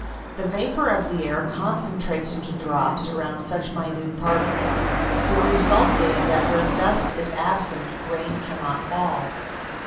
The vapor of the air concentrates into drops around such minute particles, the result being that where dust is absent rain cannot fall.